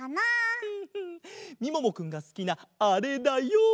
みももくんがすきなあれだよ！